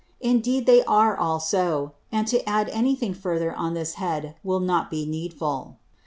Indeed they are all so; and to add any thing further on this Head, will not be needful.